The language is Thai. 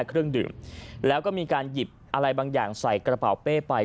เครื่องดื่มแล้วก็มีการหยิบอะไรบางอย่างใส่กระเป๋าเป้ไป